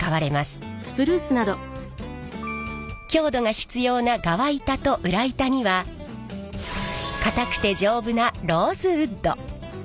強度が必要な側板と裏板には堅くて丈夫なローズウッド。